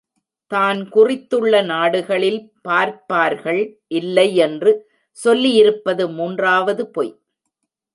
தான் குறித்துள்ள நாடுகளில் பார்ப்பார்கள் இல்லையென்று சொல்லியிருப்பது மூன்றாவது பொய்.